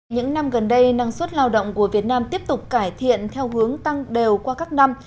những năm gần đây năng suất lao động của việt nam tiếp tục cải thiện theo hướng tăng đều qua các năm